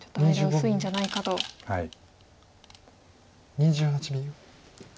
２８秒。